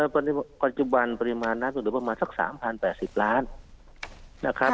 ปัจจุบันปริมาณน้ำก็เหลือประมาณสัก๓๐๘๐ล้านนะครับ